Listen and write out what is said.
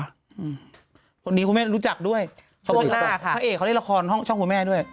อันนี้คุณแม่รู้จักด้วยพระอีกครั้งแล้วค่ะประมาถพระเอกเขาเล่นละครช่องหัวแม่ด้วย